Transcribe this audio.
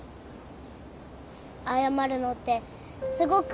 謝るのってすごく怖いな。